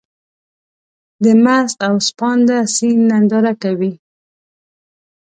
د مست او څپانده سيند ننداره کوې.